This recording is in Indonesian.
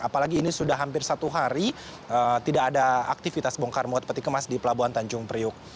apalagi ini sudah hampir satu hari tidak ada aktivitas bongkar muat peti kemas di pelabuhan tanjung priuk